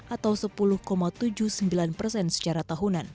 atau sepuluh tujuh puluh sembilan persen secara tahunan